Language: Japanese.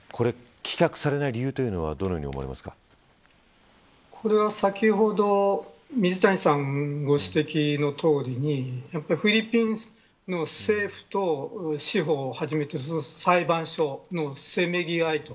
これ、棄却されない理由というのはこれは、先ほど水谷さんご指摘のとおりにフィリピンの政府と司法をはじめとする裁判所のせめぎ合いと。